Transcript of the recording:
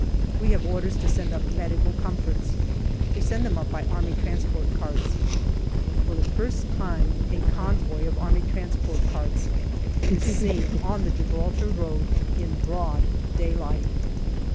We have orders to send up medical comforts. We send them up by A.T. carts. For the first time a convoy of A.T. carts is seen on the Gibraltar road in broad daylight.